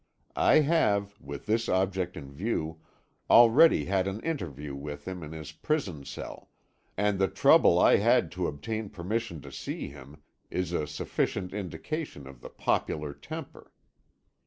I have, with this object in view, already had an interview with him in his prison cell, and the trouble I had to obtain permission to see him is a sufficient indication of the popular temper.